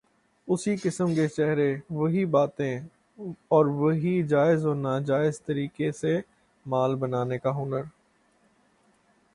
اسی قسم کے چہرے، وہی باتیں اور وہی جائز و ناجائز طریقے سے مال بنانے کا ہنر۔